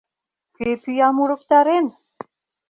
Кӧ пӱям урыктарен?